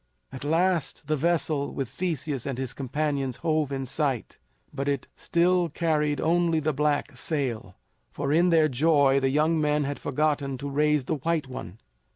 At last the vessel with Theseus and his companions hove in sight, but it still carried only the black sail, for in their joy the young men had forgotten to raise the white one.